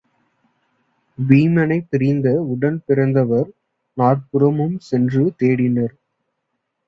வீமனைப் பிரிந்த உடன்பிறந்தவர் நாற்புறமும் சென்று தேடினர்.